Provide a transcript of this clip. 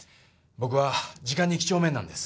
僕は時間に几帳面なんです。